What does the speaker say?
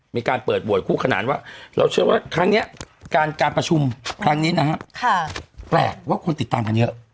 มีการเปิดโหวตคู่ขนานว่าเราเชื่อว่าครั้งนี้การประชุมครั้งนี้นะฮะแปลกว่าคนติดตามกันเยอะ